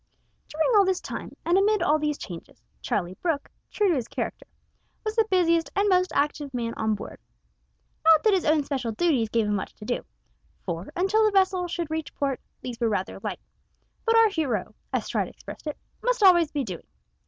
During all this time, and amid all these changes, Charlie Brooke, true to his character, was the busiest and most active man on board. Not that his own special duties gave him much to do, for, until the vessel should reach port, these were rather light; but our hero as Stride expressed it "must always be doing."